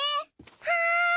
はい！